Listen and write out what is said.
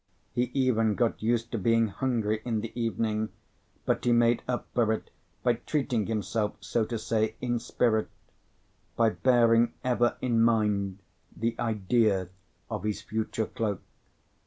He even got used to being hungry in the evening, but he made up for it by treating himself, so to say, in spirit, by bearing ever in mind the idea of his future cloak.